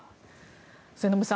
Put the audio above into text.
末延さん